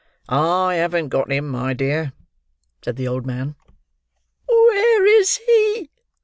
"I haven't got him, my dear," said the old man. "Where is he?"